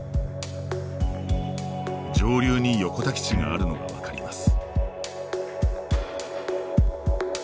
上流に横田基地があるのが分かります。